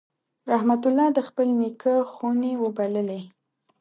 رحمت الله د خپل نیکه خونې وبللې.